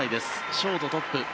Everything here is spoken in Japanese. ショートトップ。